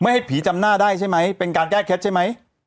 เมื่อจะให้ผีจำน่าได้ใช่ไหมเป็นการแก้เค็ปใช่ไหม